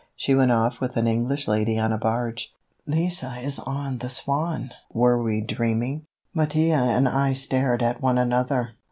She went off with an English lady on a barge." Lise on the Swan! Were we dreaming? Mattia and I stared at one another.